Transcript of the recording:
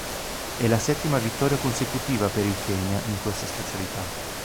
È la settima vittoria consecutiva per il Kenya in questa specialità.